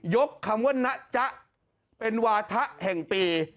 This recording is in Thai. คำว่านะจ๊ะเป็นวาถะแห่งปี